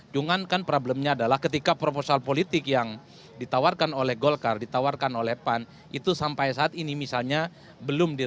cuman kan problemnya adalah ketika proposal politik yang ditawarkan oleh golkar ditawarkan oleh pan itu sampai saat ini misalnya belum ditemukan